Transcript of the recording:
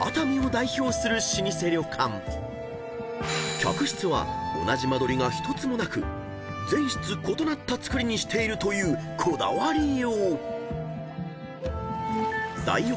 ［客室は同じ間取りが１つもなく全室異なった造りにしているというこだわりよう］